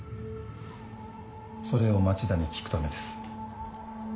それを町田に聞くためです。